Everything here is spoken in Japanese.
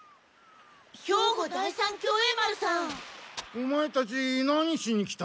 オマエたち何しに来た？